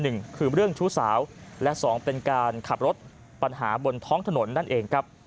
หนึ่งคือเรื่องชู้สาวและสองเป็นการขับรถปัญหาบนท้องถนนนั่นเองครับ